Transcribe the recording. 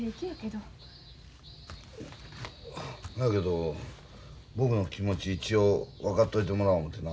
ほやけど僕の気持ち一応分かっといてもらおう思てな。